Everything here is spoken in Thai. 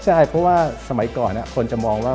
ใช่เพราะว่าสมัยก่อนคนจะมองว่า